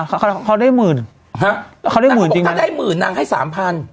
เขาได้หมื่นฮะเขาได้หมื่นจริงไหมนางก็บอกถ้าได้หมื่นนางให้สามพัน